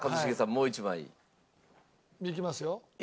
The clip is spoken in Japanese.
もう１枚。いきますか。